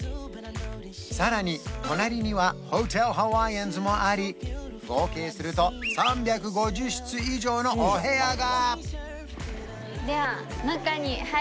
さらに隣にはホテルハワイアンズもあり合計すると３５０室以上のお部屋が！